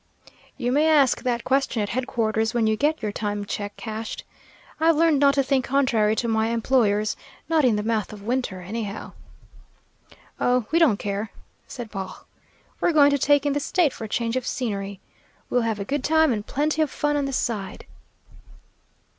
"You may ask that question at headquarters, when you get your time cheque cashed. I've learned not to think contrary to my employers; not in the mouth of winter, anyhow." "Oh, we don't care," said Baugh; "we're going to take in the State for a change of scenery. We'll have a good time and plenty of fun on the side."